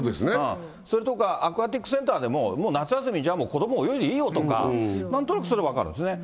それとかアクアティクスセンターも、もう夏休みじゃあ、子ども泳いでいいよとか、なんとなくそれは分かるんですよね。